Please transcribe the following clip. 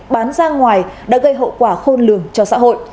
bán ra ngoài đã gây hậu quả khôn lường cho xã hội